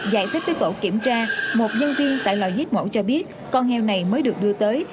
giải thích với tổ kiểm tra một nhân viên tại lò hiếp mẫu cho biết con heo này mới được đưa tới